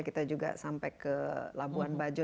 kita juga sampai ke labuan bajo